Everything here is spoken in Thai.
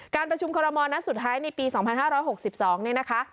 การประชุมคอลโลมอล์นัดสุดท้ายในปีสองพันห้าร้อยหกสิบสองนี่นะคะ